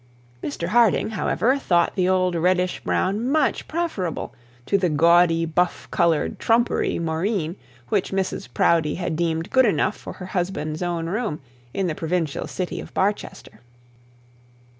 Mr Harding, however, thought the old reddish brown much preferable to the gaudy buff coloured trumpery moreen which Mrs Proudie had deemed good enough for her husband's own room in the provincial city of Barchester.